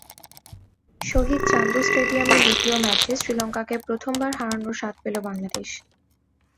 শহীদ চান্দু স্টেডিয়ামের দ্বিতীয় ম্যাচে শ্রীলঙ্কাকে প্রথমবার হারানোর স্বাদ পেল বাংলাদেশ।